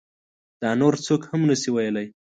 دا نور څوک هم نشي ویلی.